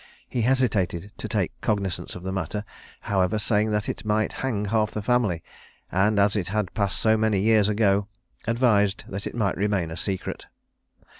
He hesitated to take cognizance of the matter, however, saying that it might hang half the family; and as it had passed so many years ago, advised that it might remain a secret.